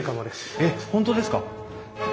えっ本当ですか！？